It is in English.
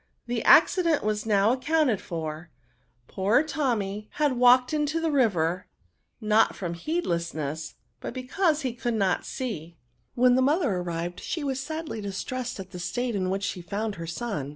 The accident was now accounted for ; poor Tommy had walked into ISO NOUNS. tbe river, not from heedlessness^ but because he could not see. When the mother arrived she was sadlj distressed at the state in which she found her son.